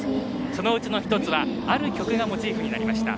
そのうちの１つはある曲がモチーフになりました。